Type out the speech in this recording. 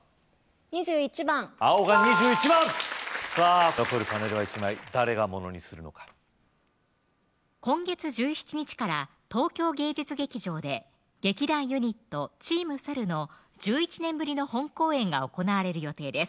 ２１番青が２１番さぁ残るパネルは１枚誰がものにするのか今月１７日から東京芸術劇場で劇団ユニット・Ｔｅａｍ申の１１年ぶりの本公演が行われる予定です